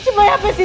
coba ya apa sih